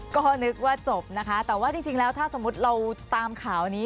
ก็นึกว่าจบนะคะแต่ว่าจริงแล้วถ้าสมมุติเราตามข่าวนี้